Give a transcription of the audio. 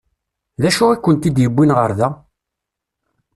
D acu i kent-id-yewwin ɣer da?